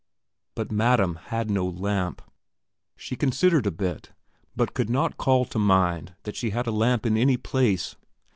But madam had no lamp. She considered a bit, but could not call to mind that she had a lamp in any place.